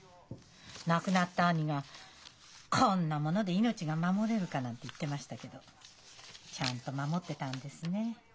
亡くなった兄が「こんなもので命が守れるか」なんて言ってましたけどちゃんと守ってたんですね。